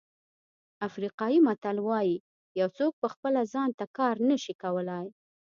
افریقایي متل وایي یو څوک په خپله ځان ته کار نه شي کولای.